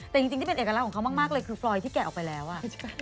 แต่จริงที่เป็นเอกลักษณ์เขามากเลยคือพลอยที่แกะออกไปแล้วอ่ะ